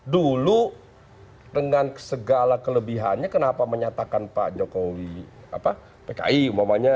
dulu dengan segala kelebihannya kenapa menyatakan pak jokowi pki umum